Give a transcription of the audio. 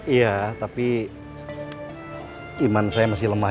iya tapi iman saya masih lemah